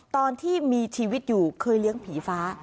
ตอนที่มีชีวิตอยู่เคยเลี้ยงผีฟ้า